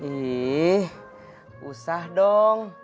ih usah dong